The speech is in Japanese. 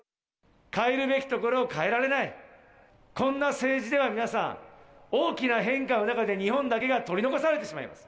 変えるべきところを変えられない、こんな政治では皆さん、大きな変化の中で、日本だけが取り残されてしまいます。